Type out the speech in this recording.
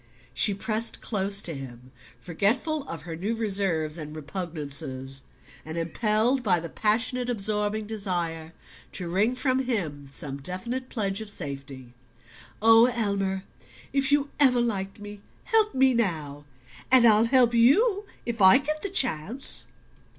She pressed close to him, forgetful of her new reserves and repugnances, and impelled by the passionate absorbing desire to wring from him some definite pledge of safety. "Oh, Elmer, if you ever liked me, help me now, and I'll help you if I get the chance!"